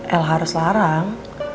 el harus larang